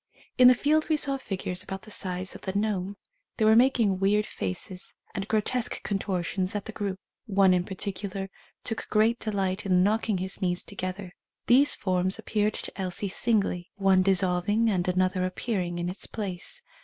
In the field we saw figures about the size of the gnome. They were making weird faces and grotesque con tortions at the group. One in particular took great delight in knocking his knees to gether. These forms appeared to Elsie singly — one dissolving and another appear ing in its place.